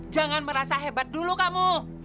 jangan merasa hebat dulu kamu